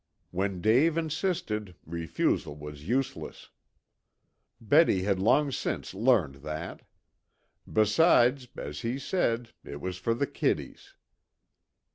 When Dave insisted refusal was useless. Betty had long since learned that. Besides, as he said, it was for the "kiddies."